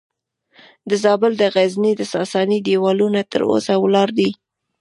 د زابل د غزنیې د ساساني دیوالونه تر اوسه ولاړ دي